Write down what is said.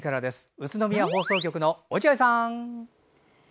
宇都宮放送局の、落合さん。